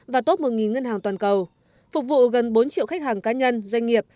và top một ngân hàng toàn cầu phục vụ gần bốn triệu khách hàng cá nhân doanh nghiệp